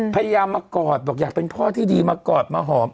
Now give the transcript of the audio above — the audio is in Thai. มากอดบอกอยากเป็นพ่อที่ดีมากอดมาหอม